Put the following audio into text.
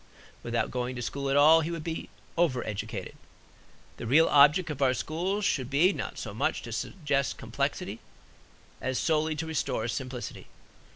Without going to school at all, he would be over educated. The real object of our schools should be not so much to suggest complexity as solely to restore simplicity.